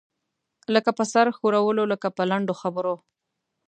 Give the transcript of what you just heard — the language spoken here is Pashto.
لکه په سر ښورولو، لکه په لنډو خبرو.